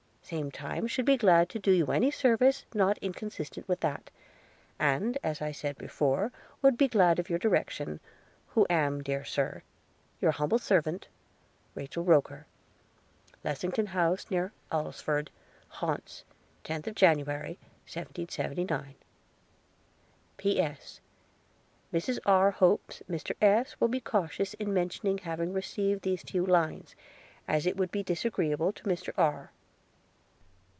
Same time should be glad to do you any service not inconsistent with that; and, as I said before, would be glad of your direction, who am, dear Sir, Your humble servant, RACHEL ROKER. Lessington House, near Alresford Hants, 10th January 1779. P.S. Mrs R. hopes Mr S. will be cautious in mentioning having received these few lines, as it would be disagreeable to Mr R –